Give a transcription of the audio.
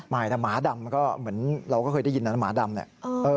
หมายถึงหมาดำก็เหมือนเราก็เคยได้ยินหมาดำนั่น